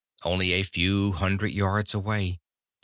Only a few hundred yards away.